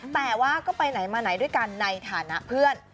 แต่ว่าก็ไปไหนมาไหนด้วยกันในฐานะเพื่อน